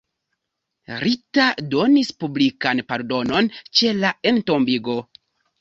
Rita donis publikan pardonon ĉe la entombigo.